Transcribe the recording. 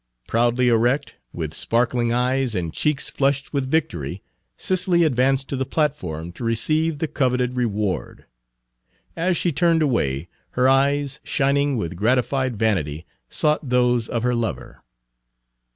Proudly erect, with sparkling eyes and cheeks flushed with victory, Cicely advanced to the platform to receive the coveted reward. As she turned away, her eyes, shining with gratified vanity, sought those of her lover.